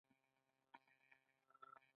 حکم د امر له اجرا څخه عبارت دی.